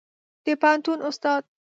د پوهنتون استاد